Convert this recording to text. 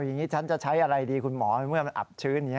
อย่างนี้ฉันจะใช้อะไรดีคุณหมอเมื่อมันอับชื้นอย่างนี้